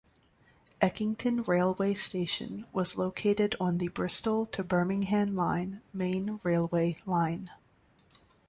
Eckington railway station was located on the Bristol to Birmingham Line main railway line.